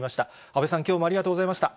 安倍さん、きょうもありがとうございました。